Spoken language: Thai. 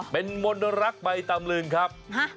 เป็นมนรักใบตำลึงครับ